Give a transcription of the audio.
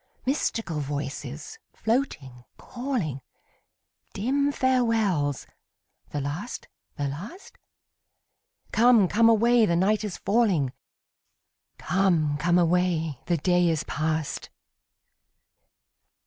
Mystical voices, floating, calling; Dim farewells the last, the last? Come, come away, the night is falling; 'Come, come away, the day is past.'